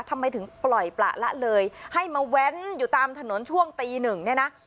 ทำไมถึงปล่อยประละเลยให้มาแว้นอยู่ตามถนนช่วงตีหนึ่งเนี่ยนะ